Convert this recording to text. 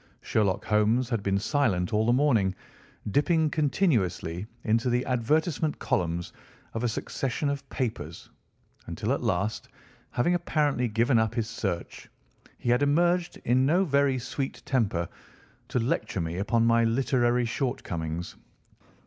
Sherlock Holmes had been silent all the morning, dipping continuously into the advertisement columns of a succession of papers until at last, having apparently given up his search, he had emerged in no very sweet temper to lecture me upon my literary shortcomings.